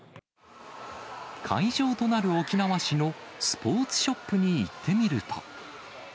会場となる沖縄市のスポーツショップに行ってみると。